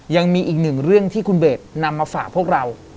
ยังมีอีกหนึ่งเรื่องที่คุณเบสนำมาฝากพวกเรา